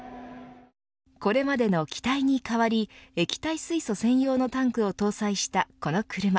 これまでの機体に代わり液体水素専用のタンクを搭載したこの車。